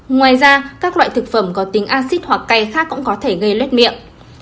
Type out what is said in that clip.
ngoài ra các loại thực phẩm có tính acid hoặc cay khác cũng có thể gây lét miệng